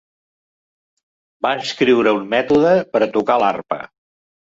Va escriure un mètode per tocar l'arpa.